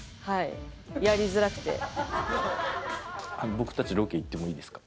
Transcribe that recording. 僕たちロケ行ってもいいですか？